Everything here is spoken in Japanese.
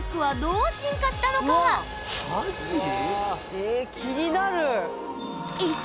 え気になる！